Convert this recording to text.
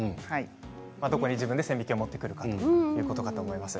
どこに線引きを持ってくるか、ということだと思います。